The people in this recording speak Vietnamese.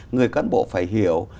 người cán bộ phải hiểu